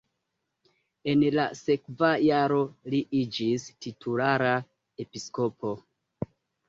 En la sekva jaro li iĝis titulara episkopo.